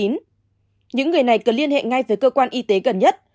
những người này cần liên hệ ngay với cơ quan y tế gần nhất